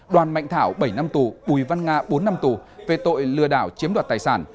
đoàn mạnh thảo bảy năm tù bùi văn nga bốn năm tù về tội lừa đảo chiếm đoạt tài sản